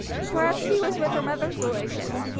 Perhaps she was with her mother's relations.